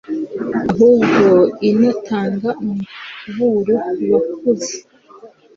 ahubwo inatanga umuburo ku bakuze